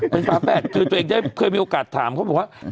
เป็นฝาแฝดคือตัวเองได้เคยมีโอกาสถามเขาบอกว่า